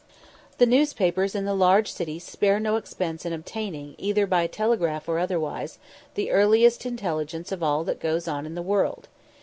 The newspapers in the large cities spare no expense in obtaining, either by telegraph or otherwise, the earliest intelligence of all that goes on in the world.